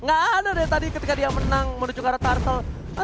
gak ada deh tadi ketika dia menang menuju ke arah tarto